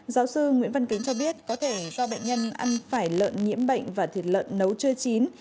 giáo sư nguyễn văn kính cho biết có thể do bệnh nhân ăn phải lợn nhiễm bệnh và thịt lợn nấu chưa chín